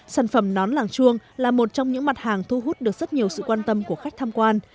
sản phẩm nón làng chuông là một trong những mặt hàng thu hút được rất nhiều sự quan tâm của khách tham quan